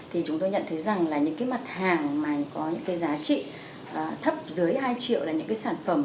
thì chúng tôi nhận thấy rằng là những cái mặt hàng mà có những cái giá trị thấp dưới hai triệu là những cái sản phẩm